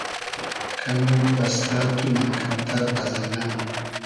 کئنو بئستۂ تو مئکئم تئر از النۂ